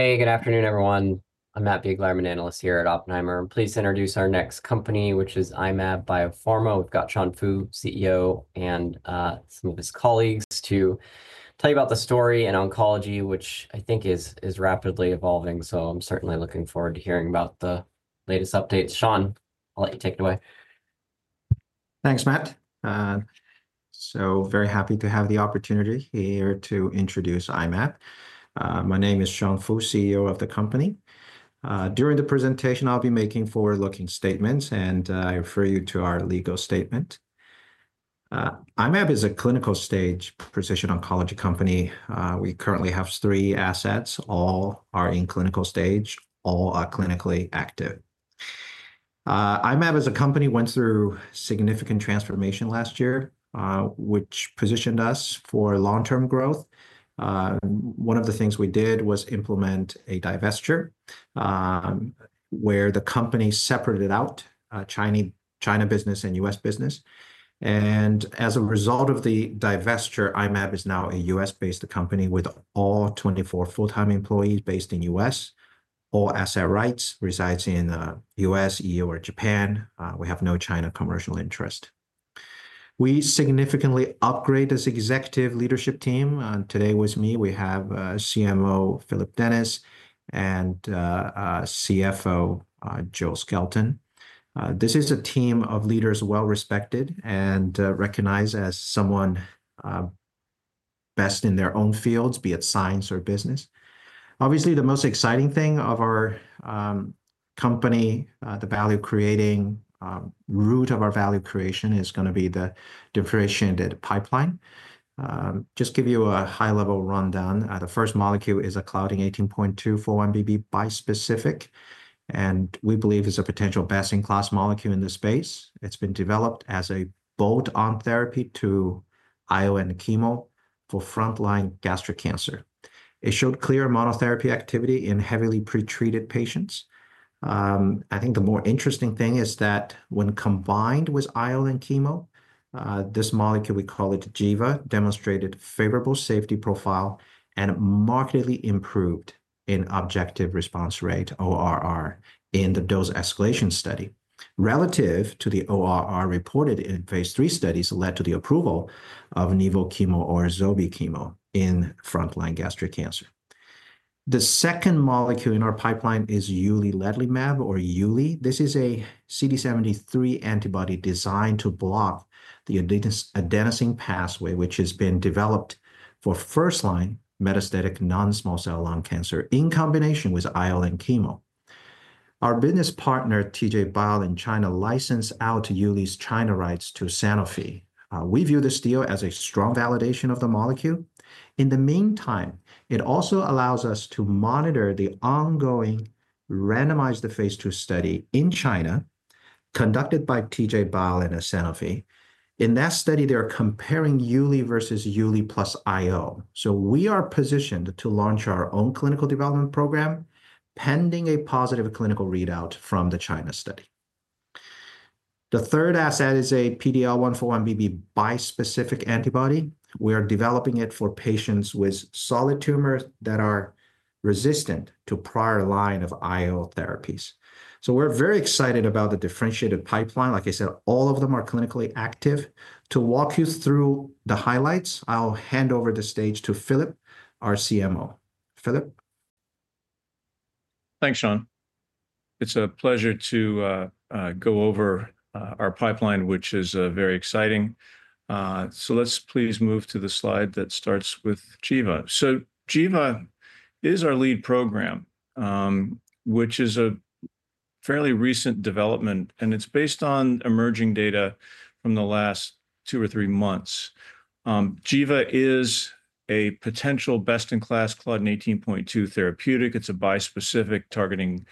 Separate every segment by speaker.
Speaker 1: Hey, good afternoon, everyone. I'm Matt Biegler, I'm an analyst here at Oppenheimer. Please introduce our next company, which is I-Mab Biopharma. We've got Sean Fu, CEO, and some of his colleagues to tell you about the story and oncology, which I think is rapidly evolving. So I'm certainly looking forward to hearing about the latest updates. Sean, I'll let you take it away.
Speaker 2: Thanks, Matt. So very happy to have the opportunity here to introduce I-Mab. My name is Sean Fu, CEO of the company. During the presentation, I'll be making forward-looking statements, and I refer you to our legal statement. I-Mab is a clinical-stage precision oncology company. We currently have three assets. All are in clinical stage. All are clinically active. I-Mab, as a company, went through significant transformation last year, which positioned us for long-term growth. One of the things we did was implement a divestiture where the company separated out China business and U.S. business. And as a result of the divestiture, I-Mab is now a U.S.-based company with all 24 full-time employees based in the U.S. All asset rights reside in the U.S., EU, or Japan. We have no China commercial interest. We significantly upgraded this executive leadership team. Today, with me, we have CMO Phillip Dennis and CFO Joe Skelton. This is a team of leaders well-respected and recognized as someone best in their own fields, be it science or business. Obviously, the most exciting thing of our company, the value creating root of our value creation, is going to be the differentiated pipeline. Just give you a high-level rundown. The first molecule is a Claudin 18.2 4-1BB bispecific, and we believe it's a potential best-in-class molecule in the space. It's been developed as a bolt-on therapy to IO and chemo for frontline gastric cancer. It showed clear monotherapy activity in heavily pretreated patients. I think the more interesting thing is that when combined with IO and chemo, this molecule, we call it Giva, demonstrated a favorable safety profile and markedly improved in objective response rate, ORR, in the dose escalation study relative to the ORR reported in phase III studies that led to the approval of nivo chemo or zolbe chemo in frontline gastric cancer. The second molecule in our pipeline is uliledlimab, or uli. This is a CD73 antibody designed to block the adenosine pathway, which has been developed for first-line metastatic non-small cell lung cancer in combination with IO and chemo. Our business partner, TJ Bio in China, licensed out uli's China rights to Sanofi. We view this deal as a strong validation of the molecule. In the meantime, it also allows us to monitor the ongoing randomized phase II study in China conducted by TJ Bio and Sanofi. In that study, they are comparing uli versus uli plus IO. So we are positioned to launch our own clinical development program pending a positive clinical readout from the China study. The third asset is a PD-L1 4-1BB bispecific antibody. We are developing it for patients with solid tumors that are resistant to prior line of IO therapies. So we're very excited about the differentiated pipeline. Like I said, all of them are clinically active. To walk you through the highlights, I'll hand over the stage to Phillip, our CMO. Phillip.
Speaker 3: Thanks, Sean. It's a pleasure to go over our pipeline, which is very exciting. So let's please move to the slide that starts with Giva. So Giva is our lead program, which is a fairly recent development, and it's based on emerging data from the last two or three months. Giva is a potential best-in-class Claudin 18.2 therapeutic. It's a bispecific targeting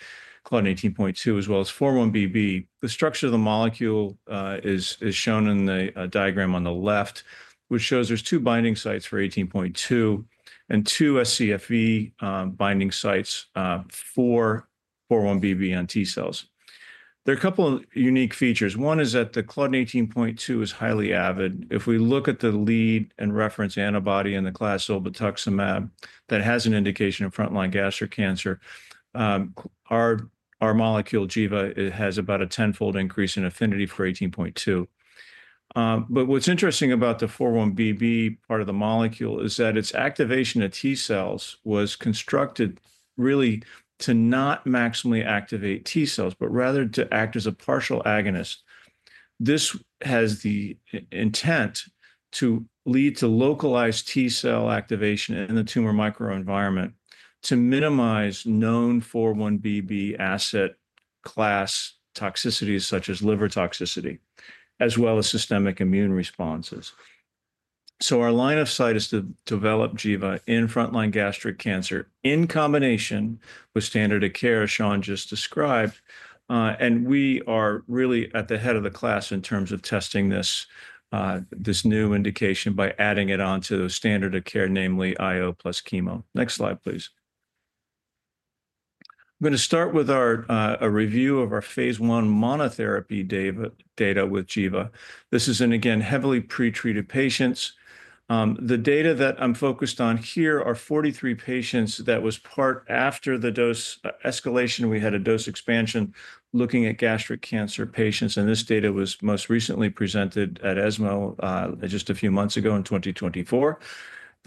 Speaker 3: Claudin 18.2 as well as 4-1BB. The structure of the molecule is shown in the diagram on the left, which shows there's two binding sites for 18.2 and two scFv binding sites for 4-1BB on T cells. There are a couple of unique features. One is that the Claudin 18.2 is highly avid. If we look at the lead and reference antibody in the class, zolbetuximab, that has an indication of frontline gastric cancer. Our molecule, Giva, has about a tenfold increase in affinity for 18.2. But what's interesting about the 4-1BB part of the molecule is that its activation of T cells was constructed really to not maximally activate T cells, but rather to act as a partial agonist. This has the intent to lead to localized T cell activation in the tumor microenvironment to minimize known 4-1BB asset class toxicities such as liver toxicity, as well as systemic immune responses. So our line of sight is to develop Giva in frontline gastric cancer in combination with standard of care, as Sean just described. And we are really at the head of the class in terms of testing this new indication by adding it onto standard of care, namely IO plus chemo. Next slide, please. I'm going to start with a review of our phase I monotherapy data with Giva. This is in, again, heavily pretreated patients. The data that I'm focused on here are 43 patients that was part after the dose escalation. We had a dose expansion looking at gastric cancer patients. This data was most recently presented at ESMO just a few months ago in 2024.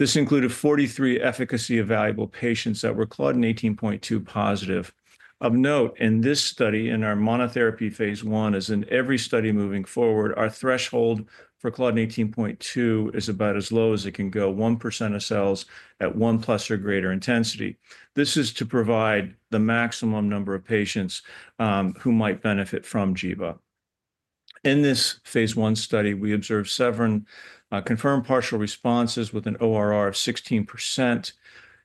Speaker 3: This included 43 efficacy evaluable patients that were Claudin 18.2 positive. Of note, in this study, in our monotherapy phase I, as in every study moving forward, our threshold for Claudin 18.2 is about as low as it can go, 1% of cells at 1+ or greater intensity. This is to provide the maximum number of patients who might benefit from Giva. In this phase I study, we observed seven confirmed partial responses with an ORR of 16%.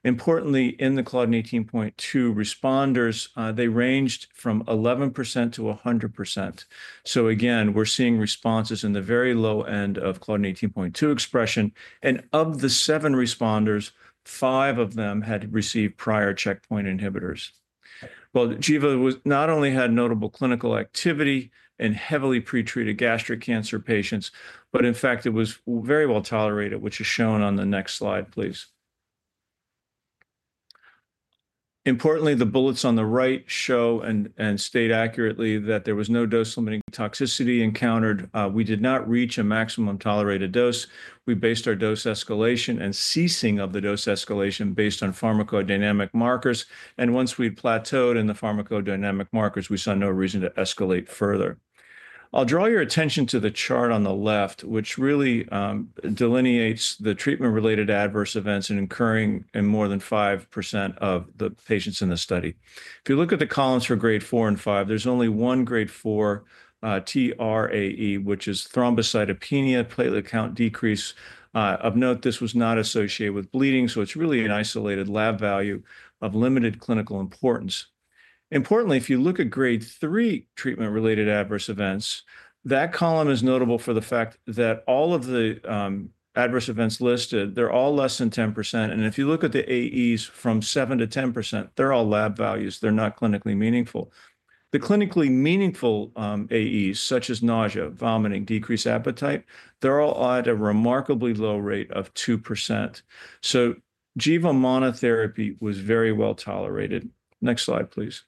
Speaker 3: Importantly, in the Claudin 18.2 responders, they ranged from 11%-100%. We're seeing responses in the very low end of Claudin 18.2 expression. Of the seven responders, five of them had received prior checkpoint inhibitors. Giva not only had notable clinical activity in heavily pretreated gastric cancer patients, but in fact, it was very well tolerated, which is shown on the next slide, please. Importantly, the bullets on the right show and state accurately that there was no dose-limiting toxicity encountered. We did not reach a maximum tolerated dose. We based our dose escalation and ceasing of the dose escalation based on pharmacodynamic markers. And once we plateaued in the pharmacodynamic markers, we saw no reason to escalate further. I'll draw your attention to the chart on the left, which really delineates the treatment-related adverse events occurring in more than 5% of the patients in the study. If you look at the columns for grade four and five, there's only one grade four TRAE, which is thrombocytopenia, platelet count decrease. Of note, this was not associated with bleeding, so it's really an isolated lab value of limited clinical importance. Importantly, if you look at grade three treatment-related adverse events, that column is notable for the fact that all of the adverse events listed, they're all less than 10%. And if you look at the AEs from 7% to 10%, they're all lab values. They're not clinically meaningful. The clinically meaningful AEs, such as nausea, vomiting, decreased appetite, they're all at a remarkably low rate of 2%. So Giva monotherapy was very well tolerated. Next slide, please.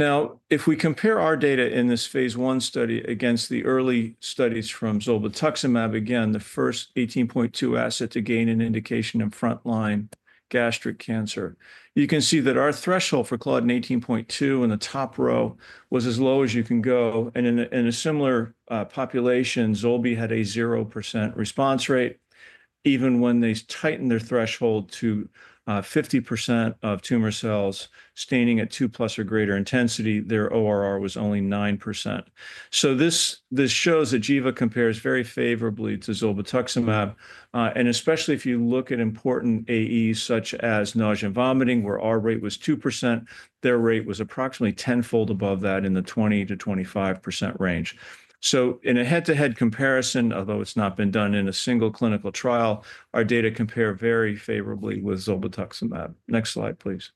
Speaker 3: Now, if we compare our data in this phase I study against the early studies from zolbetuximab, again, the first 18.2 asset to gain an indication in frontline gastric cancer, you can see that our threshold for Claudin 18.2 in the top row was as low as you can go. In a similar population, zolbe had a 0% response rate. Even when they tightened their threshold to 50% of tumor cells staining at two plus or greater intensity, their ORR was only 9%. This shows that Giva compares very favorably to zolbetuximab. Especially if you look at important AEs such as nausea and vomiting, where our rate was 2%, their rate was approximately tenfold above that in the 20%-25% range. In a head-to-head comparison, although it's not been done in a single clinical trial, our data compare very favorably with zolbetuximab. Next slide, please.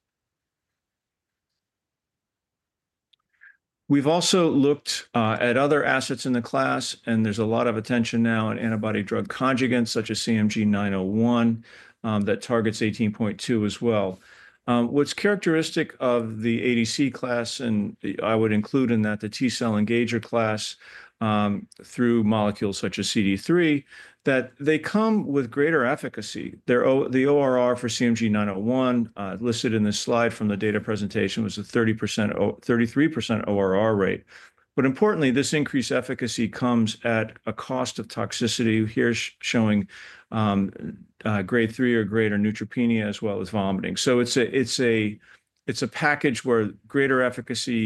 Speaker 3: We've also looked at other assets in the class, and there's a lot of attention now in antibody-drug conjugates, such as CMG901, that targets 18.2 as well. What’s characteristic of the ADC class, and I would include in that the T cell engager class through molecules such as CD3, that they come with greater efficacy. The ORR for CMG901 listed in this slide from the data presentation was a 33% ORR rate. But importantly, this increased efficacy comes at a cost of toxicity. Here’s showing grade three or greater neutropenia as well as vomiting. So it’s a package where greater efficacy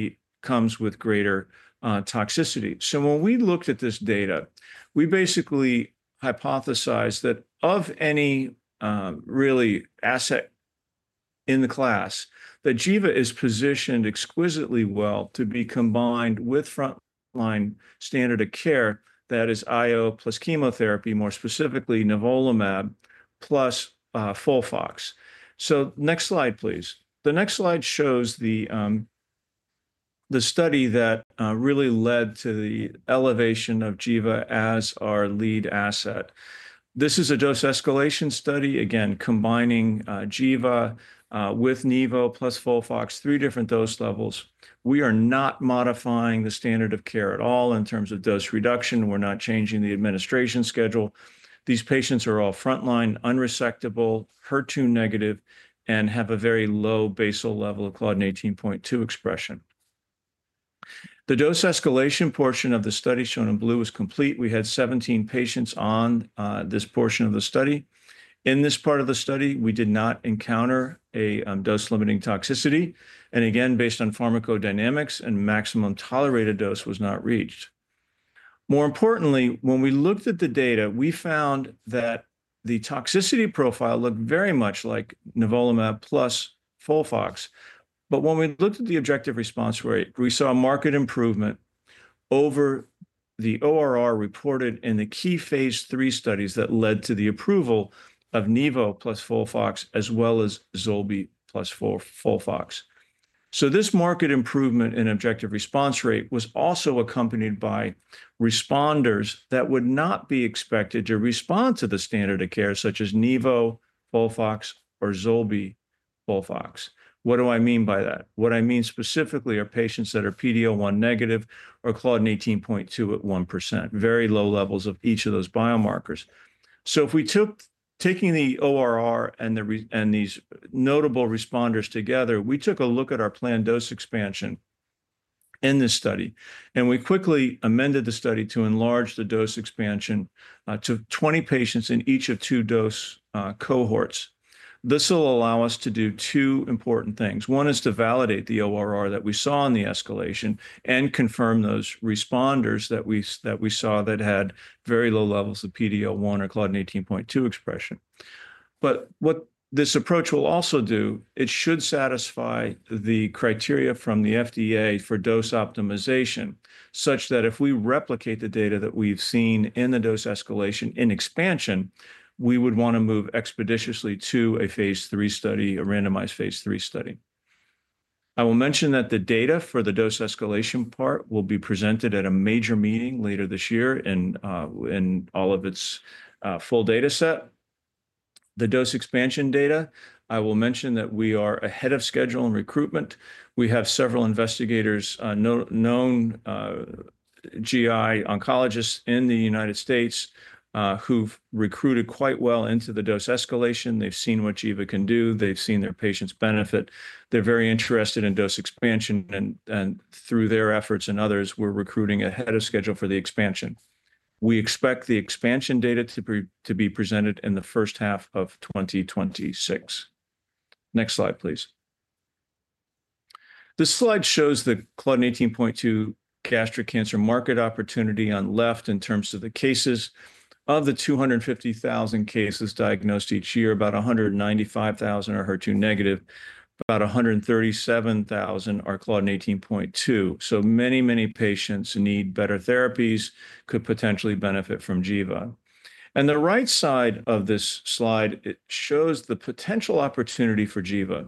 Speaker 3: comes with greater toxicity. So when we looked at this data, we basically hypothesized that of any real asset in the class, that Giva is positioned exquisitely well to be combined with frontline standard of care, that is IO plus chemotherapy, more specifically nivolumab plus FOLFOX. So next slide, please. The next slide shows the study that really led to the elevation of Giva as our lead asset. This is a dose escalation study, again, combining Giva with nivo plus FOLFOX, three different dose levels. We are not modifying the standard of care at all in terms of dose reduction. We're not changing the administration schedule. These patients are all frontline, unresectable, HER2 negative, and have a very low basal level of Claudin 18.2 expression. The dose escalation portion of the study shown in blue is complete. We had 17 patients on this portion of the study. In this part of the study, we did not encounter a dose-limiting toxicity. And again, based on pharmacodynamics, a maximum tolerated dose was not reached. More importantly, when we looked at the data, we found that the toxicity profile looked very much like nivolumab plus FOLFOX. When we looked at the objective response rate, we saw a marked improvement over the ORR reported in the key phase III studies that led to the approval of nivo plus FOLFOX, as well as zolbe plus FOLFOX. This marked improvement in objective response rate was also accompanied by responders that would not be expected to respond to the standard of care, such as nivo, FOLFOX, or zolbe FOLFOX. What do I mean by that? What I mean specifically are patients that are PD-L1 negative or Claudin 18.2 at 1%, very low levels of each of those biomarkers. If we took the ORR and these notable responders together, we took a look at our planned dose expansion in this study, and we quickly amended the study to enlarge the dose expansion to 20 patients in each of two dose cohorts. This will allow us to do two important things. One is to validate the ORR that we saw in the escalation and confirm those responders that we saw that had very low levels of PD-L1 or Claudin 18.2 expression. But what this approach will also do, it should satisfy the criteria from the FDA for dose optimization, such that if we replicate the data that we've seen in the dose escalation in expansion, we would want to move expeditiously to a phase III study, a randomized phase III study. I will mention that the data for the dose escalation part will be presented at a major meeting later this year in all of its full data set. The dose expansion data, I will mention that we are ahead of schedule in recruitment. We have several investigators, known GI oncologists in the United States, who've recruited quite well into the dose escalation. They've seen what Giva can do. They've seen their patients benefit. They're very interested in dose expansion, and through their efforts and others, we're recruiting ahead of schedule for the expansion. We expect the expansion data to be presented in the first half of 2026. Next slide, please. This slide shows the Claudin 18.2 gastric cancer market opportunity on left in terms of the cases. Of the 250,000 cases diagnosed each year, about 195,000 are HER2 negative. About 137,000 are Claudin 18.2. So many, many patients need better therapies, could potentially benefit from Giva, and the right side of this slide, it shows the potential opportunity for Giva,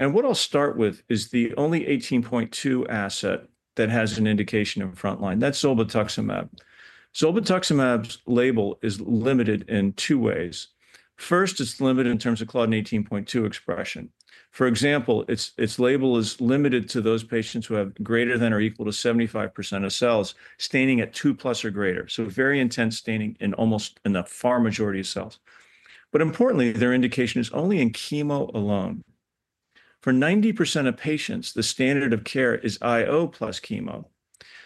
Speaker 3: and what I'll start with is the only 18.2 asset that has an indication of frontline. That's zolbetuximab. Zolbetuximab's label is limited in two ways. First, it's limited in terms of Claudin 18.2 expression. For example, its label is limited to those patients who have greater than or equal to 75% of cells staining at two plus or greater. So very intense staining in almost in the far majority of cells. But importantly, their indication is only in chemo alone. For 90% of patients, the standard of care is IO plus chemo.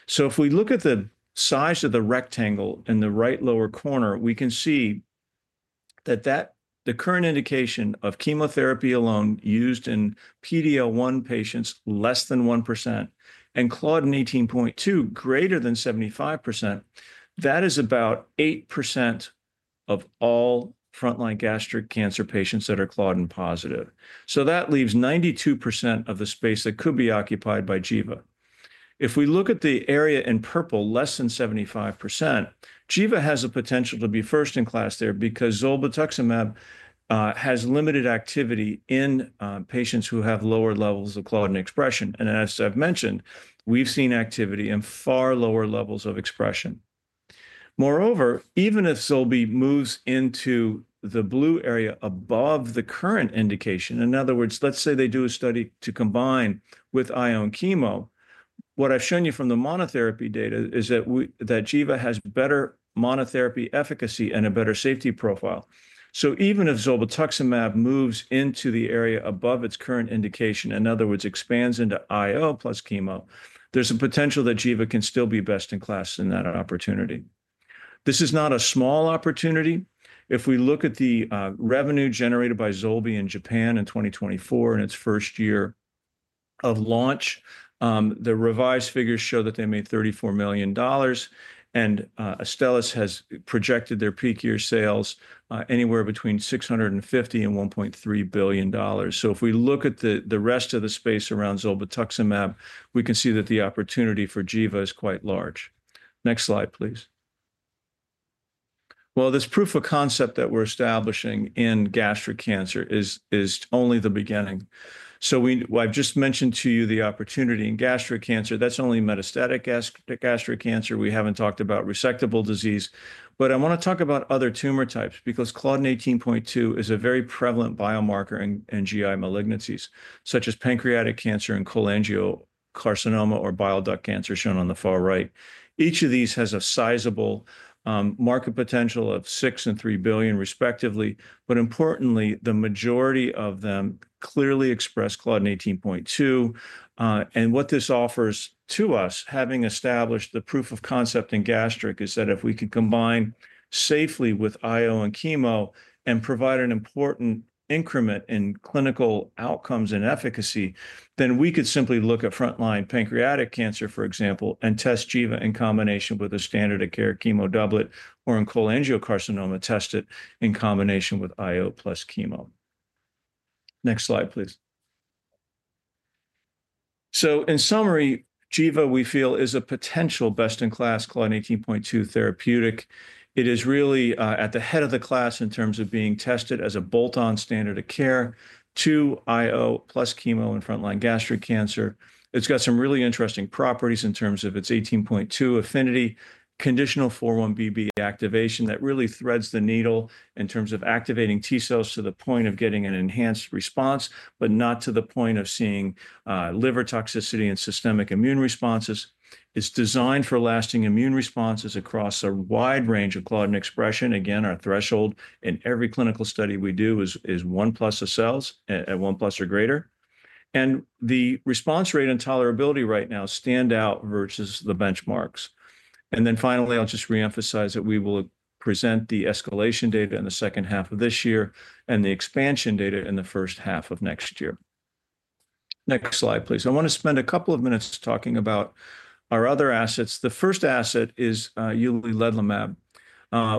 Speaker 3: So if we look at the size of the rectangle in the right lower corner, we can see that the current indication of chemotherapy alone used in PD-L1 patients, less than 1%, and Claudin 18.2, greater than 75%, that is about 8% of all frontline gastric cancer patients that are Claudin positive. So that leaves 92% of the space that could be occupied by Giva. If we look at the area in purple, less than 75%, Giva has a potential to be first in class there because zolbetuximab has limited activity in patients who have lower levels of Claudin expression, and as I've mentioned, we've seen activity in far lower levels of expression. Moreover, even if zolbe moves into the blue area above the current indication, in other words, let's say they do a study to combine with IO and chemo, what I've shown you from the monotherapy data is that Giva has better monotherapy efficacy and a better safety profile, so even if zolbetuximab moves into the area above its current indication, in other words, expands into IO plus chemo, there's a potential that Giva can still be best in class in that opportunity. This is not a small opportunity. If we look at the revenue generated by zolbe in Japan in 2024 in its first year of launch, the revised figures show that they made $34 million. And Astellas has projected their peak year sales anywhere between $650 million and $1.3 billion. So if we look at the rest of the space around zolbetuximab, we can see that the opportunity for Giva is quite large. Next slide, please. Well, this proof of concept that we're establishing in gastric cancer is only the beginning. So I've just mentioned to you the opportunity in gastric cancer. That's only metastatic gastric cancer. We haven't talked about resectable disease. But I want to talk about other tumor types because Claudin 18.2 is a very prevalent biomarker in GI malignancies, such as pancreatic cancer and cholangiocarcinoma or bile duct cancer shown on the far right. Each of these has a sizable market potential of $6 billion and $3 billion, respectively. But importantly, the majority of them clearly express Claudin 18.2. And what this offers to us, having established the proof of concept in gastric, is that if we can combine safely with IO and chemo and provide an important increment in clinical outcomes and efficacy, then we could simply look at frontline pancreatic cancer, for example, and test Giva in combination with a standard of care chemo doublet or in cholangiocarcinoma tested in combination with IO plus chemo. Next slide, please. So in summary, Giva, we feel, is a potential best-in-class Claudin 18.2 therapeutic. It is really at the head of the class in terms of being tested as a bolt-on standard of care to IO plus chemo in frontline gastric cancer. It's got some really interesting properties in terms of its 18.2 affinity, conditional 4-1BB activation that really threads the needle in terms of activating T cells to the point of getting an enhanced response, but not to the point of seeing liver toxicity and systemic immune responses. It's designed for lasting immune responses across a wide range of Claudin expression. Again, our threshold in every clinical study we do is one plus of cells at one plus or greater. And the response rate and tolerability right now stand out versus the benchmarks. And then finally, I'll just reemphasize that we will present the escalation data in the second half of this year and the expansion data in the first half of next year. Next slide, please. I want to spend a couple of minutes talking about our other assets. The first asset is Uliledlimab,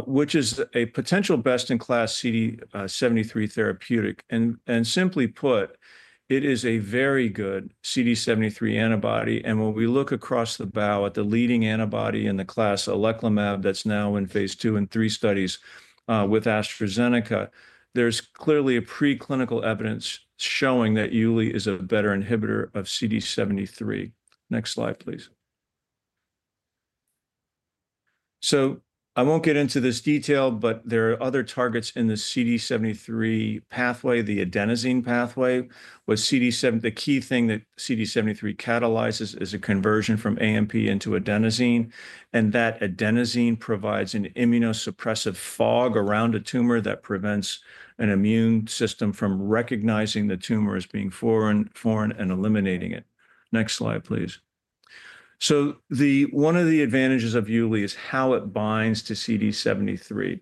Speaker 3: which is a potential best-in-class CD73 therapeutic. Simply put, it is a very good CD73 antibody. When we look across the bow at the leading antibody in the class, oleclumab, that's now in phase II and III studies with AstraZeneca, there's clearly preclinical evidence showing that uli is a better inhibitor of CD73. Next slide, please. I won't get into this detail, but there are other targets in the CD73 pathway, the adenosine pathway. The key thing that CD73 catalyzes is a conversion from AMP into adenosine. That adenosine provides an immunosuppressive fog around a tumor that prevents an immune system from recognizing the tumor as being foreign and eliminating it. Next slide, please. One of the advantages of uli is how it binds to CD73.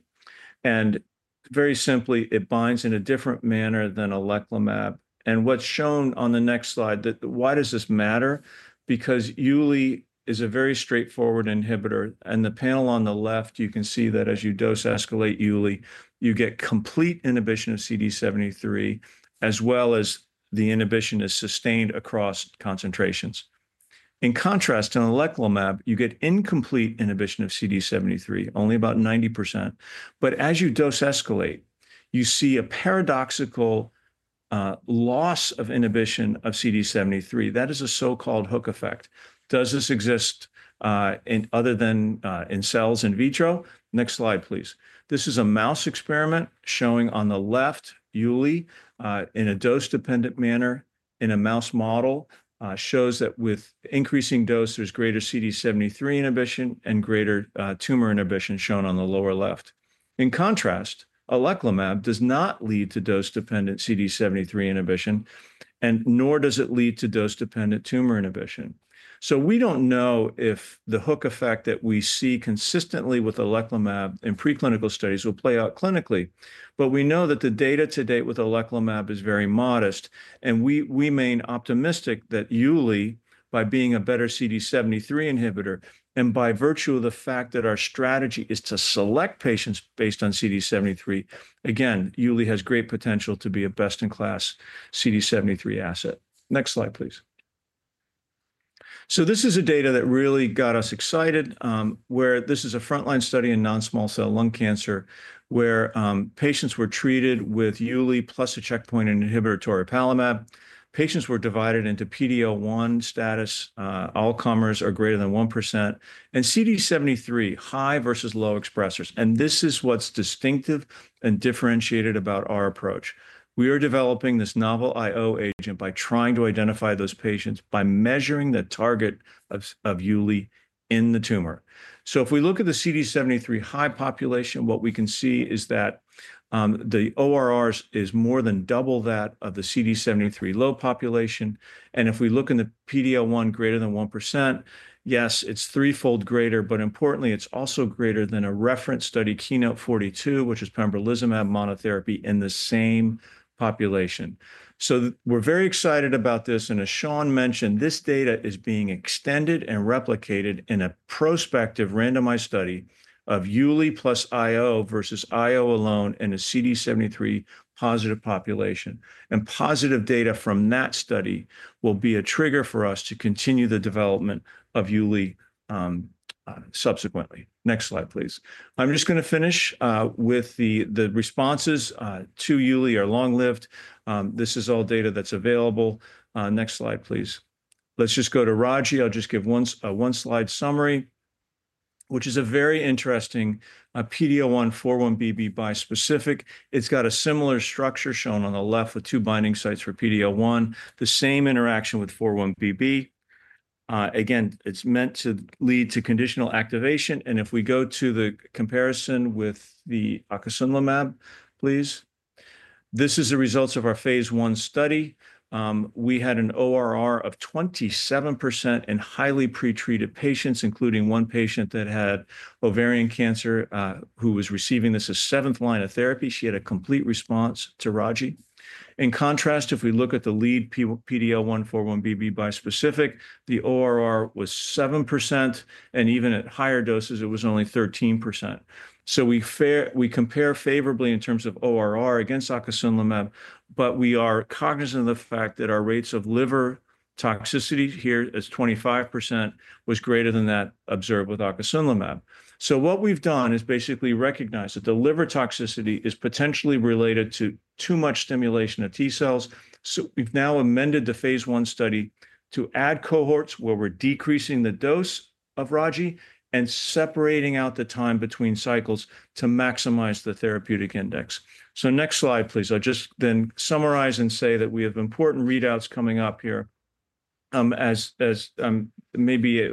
Speaker 3: Very simply, it binds in a different manner than oleclumab. What's shown on the next slide? Why does this matter? Because uli is a very straightforward inhibitor. The panel on the left, you can see that as you dose escalate uli, you get complete inhibition of CD73, as well as the inhibition is sustained across concentrations. In contrast to oleclumab, you get incomplete inhibition of CD73, only about 90%. As you dose escalate, you see a paradoxical loss of inhibition of CD73. That is a so-called hook effect. Does this exist other than in cells in vitro? Next slide, please. This is a mouse experiment showing on the left, uli in a dose-dependent manner in a mouse model shows that with increasing dose, there's greater CD73 inhibition and greater tumor inhibition shown on the lower left. In contrast, oleclumab does not lead to dose-dependent CD73 inhibition, and nor does it lead to dose-dependent tumor inhibition. So we don't know if the hook effect that we see consistently with Oleclumab in preclinical studies will play out clinically. But we know that the data to date with Oleclumab is very modest. And we remain optimistic that uli, by being a better CD73 inhibitor and by virtue of the fact that our strategy is to select patients based on CD73, again, uli has great potential to be a best-in-class CD73 asset. Next slide, please. So this is the data that really got us excited, where this is a frontline study in non-small cell lung cancer, where patients were treated with uli plus a checkpoint inhibitor, toripalimab. Patients were divided into PD-L1 status, all comers or greater than 1%, and CD73 high versus low expressors. And this is what's distinctive and differentiated about our approach. We are developing this novel IO agent by trying to identify those patients by measuring the target of uli in the tumor. So if we look at the CD73 high population, what we can see is that the ORR is more than double that of the CD73 low population. And if we look in the PD-L1 greater than 1%, yes, it's threefold greater. But importantly, it's also greater than a reference study, KEYNOTE-042, which is pembrolizumab monotherapy in the same population. So we're very excited about this. And as Sean mentioned, this data is being extended and replicated in a prospective randomized study of uli plus IO versus IO alone in a CD73 positive population. And positive data from that study will be a trigger for us to continue the development of uli subsequently. Next slide, please. I'm just going to finish with the responses to uli, which are long-lived. This is all data that's available. Next slide, please. Let's just go to ragi. I'll just give one slide summary, which is a very interesting PD-L1, 4-1BB bispecific. It's got a similar structure shown on the left with two binding sites for PD-L1, the same interaction with 4-1BB. Again, it's meant to lead to conditional activation. And if we go to the comparison with the acasunlimab, please, this is the results of our phase I study. We had an ORR of 27% in highly pretreated patients, including one patient that had ovarian cancer who was receiving this as seventh line of therapy. She had a complete response to ragi. In contrast, if we look at the lead PD-L1, 4-1BB bispecific, the ORR was 7%. And even at higher doses, it was only 13%. So we compare favorably in terms of ORR against acasunlimab. But we are cognizant of the fact that our rates of liver toxicity here at 25% was greater than that observed with acasunlimab. So what we've done is basically recognize that the liver toxicity is potentially related to too much stimulation of T cells. So we've now amended the phase I study to add cohorts where we're decreasing the dose of ragi and separating out the time between cycles to maximize the therapeutic index. So next slide, please. I'll just then summarize and say that we have important readouts coming up here. As maybe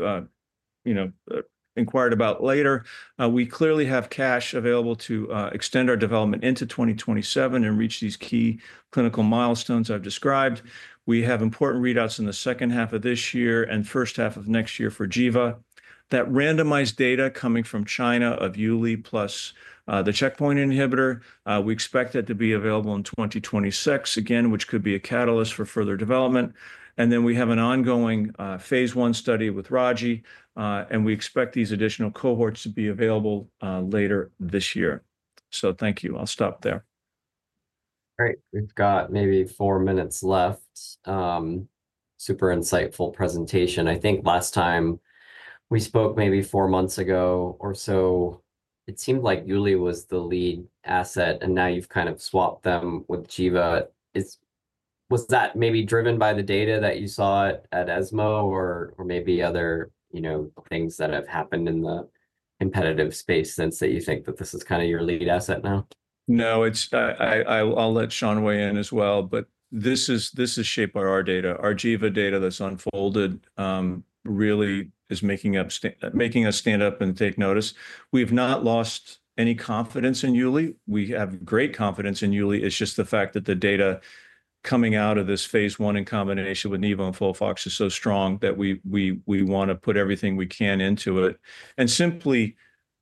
Speaker 3: inquired about later, we clearly have cash available to extend our development into 2027 and reach these key clinical milestones I've described. We have important readouts in the second half of this year and first half of next year for Giva. That randomized data coming from China of uli plus the checkpoint inhibitor, we expect that to be available in 2026 again, which could be a catalyst for further development. And then we have an ongoing phase I study with ragi. And we expect these additional cohorts to be available later this year. So thank you. I'll stop there.
Speaker 1: All right. We've got maybe four minutes left. Super insightful presentation. I think last time we spoke maybe four months ago or so, it seemed like uli was the lead asset. And now you've kind of swapped them with Giva. Was that maybe driven by the data that you saw at ESMO or maybe other things that have happened in the competitive space since that you think that this is kind of your lead asset now?
Speaker 3: No, I'll let Sean weigh in as well. But this is shaped by our data. Our Giva data that's unfolded, really, is making us stand up and take notice. We have not lost any confidence in uli. We have great confidence in uli. It's just the fact that the data coming out of this phase I in combination with nivo and FOLFOX is so strong that we want to put everything we can into it and simply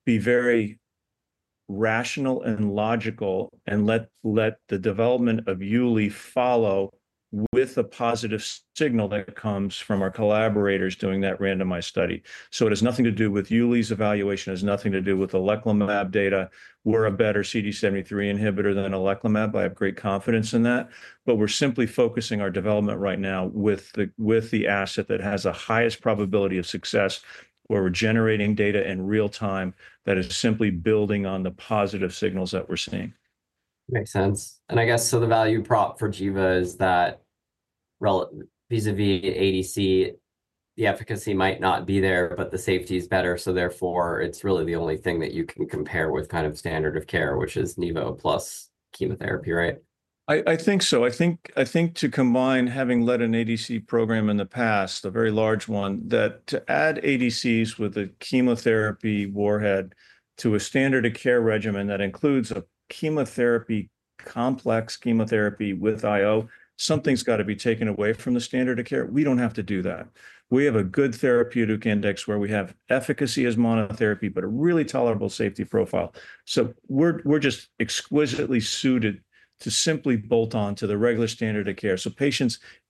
Speaker 3: be very rational and logical and let the development of uli follow with a positive signal that comes from our collaborators doing that randomized study. So it has nothing to do with uli's evaluation. It has nothing to do with oleclumab data. We're a better CD73 inhibitor than oleclumab. I have great confidence in that. But we're simply focusing our development right now with the asset that has the highest probability of success where we're generating data in real time that is simply building on the positive signals that we're seeing.
Speaker 1: Makes sense. And I guess so the value prop for Giva is that vis-à-vis ADC, the efficacy might not be there, but the safety is better. So therefore, it's really the only thing that you can compare with kind of standard of care, which is nivo plus chemotherapy, right?
Speaker 3: I think so. I think to combine having led an ADC program in the past, a very large one, that to add ADCs with a chemotherapy warhead to a standard of care regimen that includes a chemotherapy complex chemotherapy with IO, something's got to be taken away from the standard of care. We don't have to do that. We have a good therapeutic index where we have efficacy as monotherapy, but a really tolerable safety profile. So we're just exquisitely suited to simply bolt on to the regular standard of care. So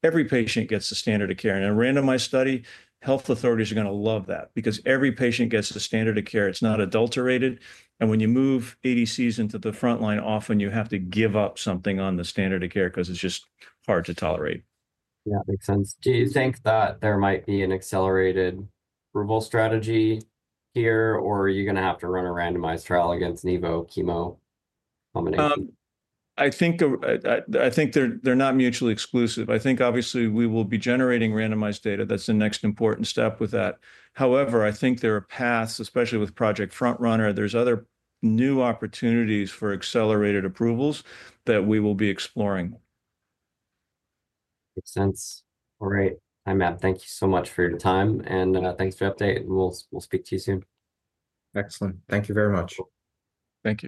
Speaker 3: every patient gets the standard of care. And in a randomized study, health authorities are going to love that because every patient gets the standard of care. It's not adulterated. And when you move ADCs into the frontline, often you have to give up something on the standard of care because it's just hard to tolerate.
Speaker 1: Yeah, makes sense. Do you think that there might be an accelerated approval strategy here, or are you going to have to run a randomized trial against nivo chemo combination?
Speaker 3: I think they're not mutually exclusive. I think, obviously, we will be generating randomized data. That's the next important step with that. However, I think there are paths, especially with Project FrontRunner. There's other new opportunities for accelerated approvals that we will be exploring.
Speaker 1: Makes sense. All right, I-Mab. Thank you so much for your time, and thanks for the update. We'll speak to you soon.
Speaker 3: Excellent. Thank you very much.
Speaker 2: Thank you.